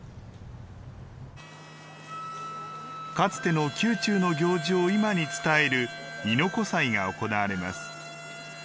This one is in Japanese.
かつての宮中の行事を今に伝える亥子祭が行われます。